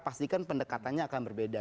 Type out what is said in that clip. pastikan pendekatannya akan berbeda